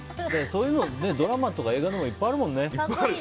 そういうの、ドラマとか映画でいっぱいあるもんね。